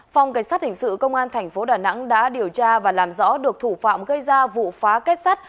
phòng cảnh sát hình sự công an thành phố đà nẵng đã điều tra và làm rõ được thủ phạm gây ra vụ phá kết sắt